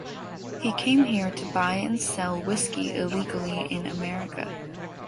He came here to buy and sell whiskey illegally in America.